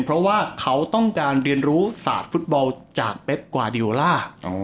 เพราะว่าเขาต้องการเรียนรู้ศาสตร์ฟุตบอลจากเป๊กกวาดิโอล่า